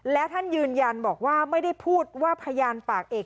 และท่านยืนยันบอกว่าไม่ได้พูดว่าพยานปากเอก